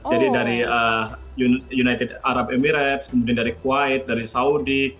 jadi dari united arab emirates kemudian dari kuwait dari saudi